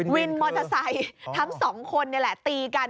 วินมอเตอร์ไซค์ทั้งสองคนนี่แหละตีกัน